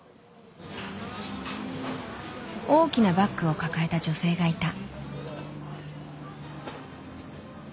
大きなバッグを抱えた女性がいた。